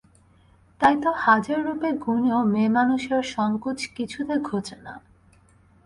তাই তো হাজার রূপে গুণেও মেয়েমানুষের সংকোচ কিছুতে ঘোচে না।